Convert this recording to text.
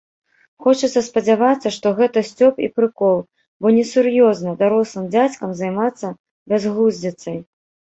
Хочацца спадзявацца, што гэта сцёб і прыкол, бо несур'ёзна дарослым дзядзькам займацца бязглуздзіцай.